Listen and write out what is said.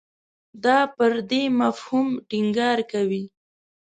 دا پر دې مفهوم ټینګار کوي.